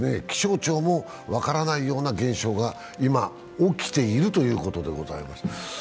気象庁も分からないような現象が今、起きているということです。